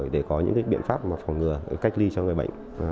để có những biện pháp phòng ngừa cách ly cho người bệnh